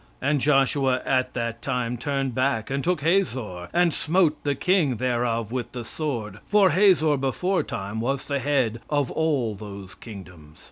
"And Joshua at that time turned back, and took Hazor, and smote the king thereof with the sword; for Hazor beforetime was the head of all those kingdoms.